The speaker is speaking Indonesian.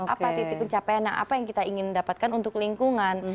apa titik pencapaian yang apa yang kita ingin dapatkan untuk lingkungan